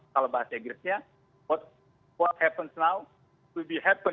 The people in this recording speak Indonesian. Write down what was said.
kalau bahasnya gresnya apa yang terjadi sekarang akan terjadi di masa depan